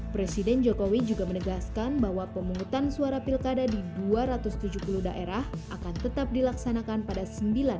presiden jokowi juga menegaskan bahwa pemungutan suara pilkada di dua ratus tujuh puluh daerah akan tetap dilaksanakan pada sembilan desember